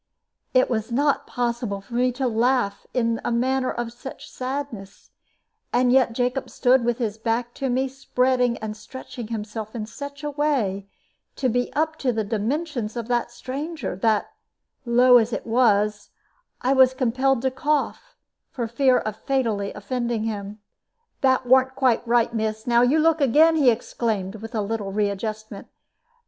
It was not possible for me to laugh in a matter of such sadness; and yet Jacob stood, with his back to me, spreading and stretching himself in such a way, to be up to the dimensions of the stranger, that low as it was I was compelled to cough, for fear of fatally offending him. "That warn't quite right, miss. Now you look again," he exclaimed, with a little readjustment.